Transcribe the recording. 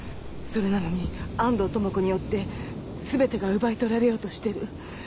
それなのに安藤智子によってすべてが奪い取られようとしてる。